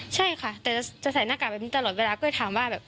ใช่ค่ะแต่จะใส่หน้ากากไปตลอดเวลาก็เลยถามว่า